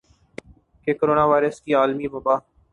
کہ corona virus کی عالمی وبا